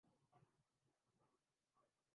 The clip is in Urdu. فون کا جواب وقت پر نہیں دیتیں اور انہیں ایشوریا